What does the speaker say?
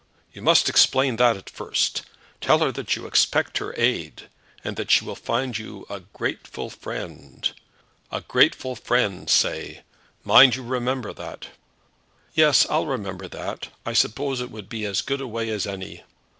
"You must explain that at first; tell her that you expect her aid, and that she will find you a grateful friend, a grateful friend, say; mind you remember that." "Yes; I'll remember that. I suppose it would be as good a way as any."